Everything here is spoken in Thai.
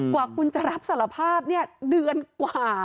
กว่าคุณจะรับสารภาพเนี่ยเดือนกว่า